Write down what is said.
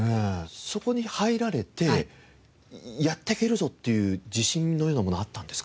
そこに入られてやっていけるぞっていう自信のようなものはあったんですか？